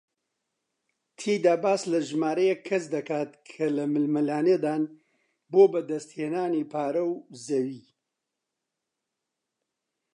تێیدا باس لە ژمارەیەک کەس دەکات کە لە ململانێدان بۆ بەدەستهێنانی پارە و زەوی